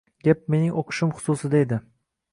Gap mening o'qishim xususida edi